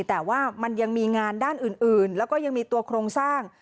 แต่ว่ามันยังมีงานด้านอื่นแล้วก็ยังมีตัวโครงสร้าง